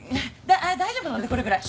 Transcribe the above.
大丈夫なんでこれぐらい。